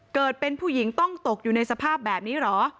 เกิดเป็นผู้หญิงต้องตกอยู่ในสภาพแบบนี้เหรอ